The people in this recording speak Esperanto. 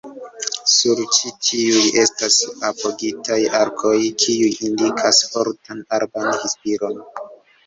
Sur ĉi tiuj estas apogitaj arkoj kiuj indikas fortan araban inspiron.